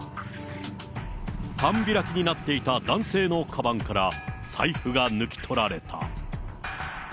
半開きになっていた男性のかばんから、財布が抜き取られた。